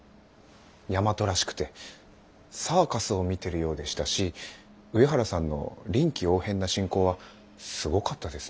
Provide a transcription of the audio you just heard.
大和らしくてサーカスを見てるようでしたし上原さんの臨機応変な進行はすごかったですね。